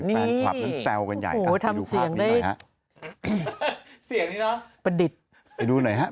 แฟนควับนั้นแซวกันใหญ่ครับไปดูภาพนี้หน่อยครับ